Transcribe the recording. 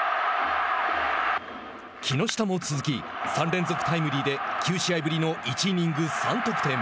木下も続き３連続タイムリーで９試合ぶりの１イニング３得点。